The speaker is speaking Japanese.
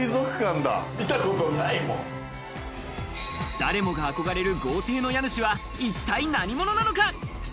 誰もが憧れる豪邸の家主は一体何者なのか？